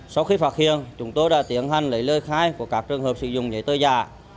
sau khi phát hiện chúng tôi đã tiến hành lấy lời khai của các trường hợp sử dụng giấy tờ giả